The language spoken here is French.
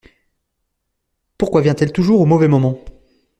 Pourquoi vient-elle toujours au mauvais moment?